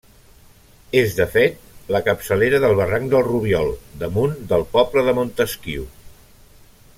És, de fet, la capçalera del barranc del Rubiol, damunt del poble de Montesquiu.